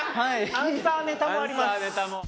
アンサーネタもあります。